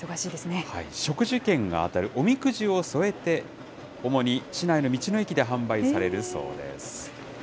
食事券が当たるおみくじを添えて、主に市内の道の駅で販売されるそうです。